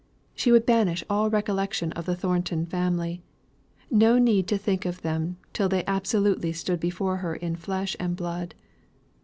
She would banish all recollection of the Thornton family no need to think of them till they absolutely stood before her in flesh and blood.